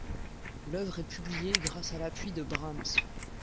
L'œuvre est publiée grâce à l'appui de Brahms.